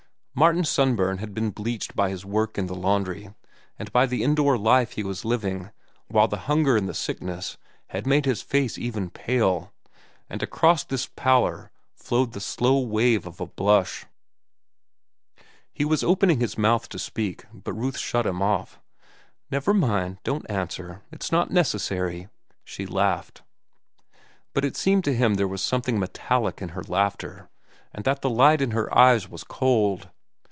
Martin's sunburn had been bleached by his work in the laundry and by the indoor life he was living, while the hunger and the sickness had made his face even pale; and across this pallor flowed the slow wave of a blush. He was opening his mouth to speak, but Ruth shut him off. "Never mind, don't answer; it's not necessary," she laughed. But it seemed to him there was something metallic in her laughter, and that the light in her eyes was cold.